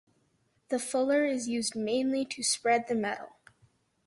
The fuller is used mainly to spread the metal.